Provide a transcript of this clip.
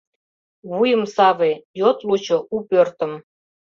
Вуйым саве, йод лучо у пӧртым».